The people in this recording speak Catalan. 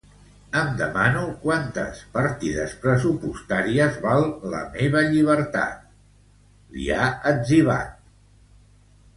Em demano quantes partides pressupostàries val la meva llibertat, li ha etzibat.